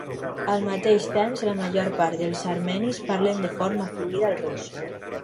Al mateix temps la major part dels armenis parlen de forma fluida el rus.